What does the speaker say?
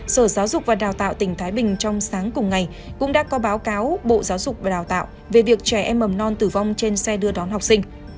sở giáo dục và đào tạo tỉnh thái bình trong sáng cùng ngày cũng đã có báo cáo bộ giáo dục và đào tạo về việc trẻ em mầm non tử vong trên xe đưa đón học sinh